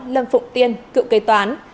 lâm phụng tiên cựu kế toán